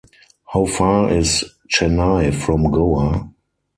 How far is Chennai from Goa?